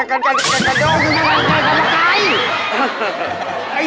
มายก็มาไกล